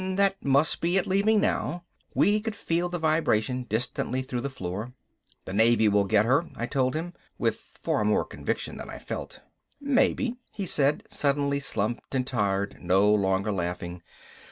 That must be it leaving now." We could feel the vibration, distantly through the floor. "The Navy will get her," I told him, with far more conviction than I felt. "Maybe," he said, suddenly slumped and tired, no longer laughing.